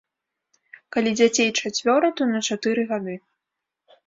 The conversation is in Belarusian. Калі дзяцей чацвёра, то на чатыры гады.